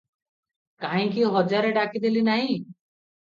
କାହିଁକି ହଜାରେ ଡାକିଦେଲି ନାହିଁ?